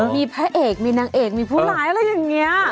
มีพระเอกมีนางเอกมีผู้ร้ายอะไรอย่างนี้